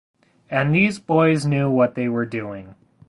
And these boys knew what they were doing.